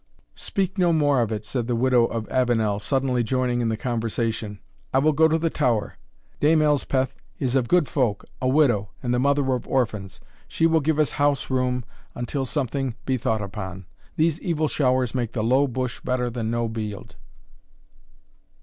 "Speak no more of it," said the widow of Avenel, suddenly joining in the conversation, "I will go to the tower. Dame Elspeth is of good folk, a widow, and the mother of orphans, she will give us house room until something be thought upon. These evil showers make the low bush better than no bield."